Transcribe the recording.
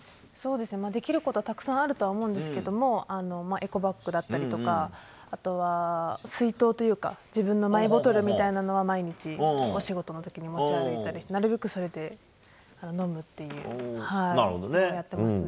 できることはたくさんあるとは思うんですけれどもエコバッグだったりとかあとは、水筒というか自分のマイボトルは毎日、お仕事の時に持ち歩いたりしてなるべく、それで飲むということをやっていますね。